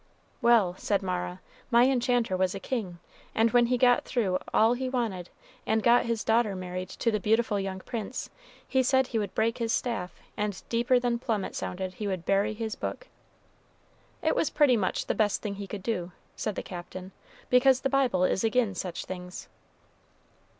"Well," said Mara, "my enchanter was a king; and when he got through all he wanted, and got his daughter married to the beautiful young prince, he said he would break his staff, and deeper than plummet sounded he would bury his book." "It was pretty much the best thing he could do," said the Captain, "because the Bible is agin such things."